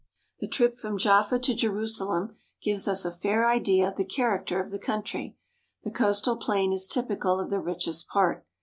The trip from Jaffa to Jerusalem gives us a fair idea of the character of the country. The coastal plain is typical of the richest part.